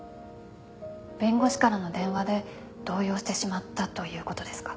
弁護士からの電話で動揺してしまったという事ですか？